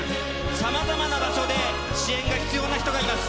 さまざまな場所で支援が必要な人がいます。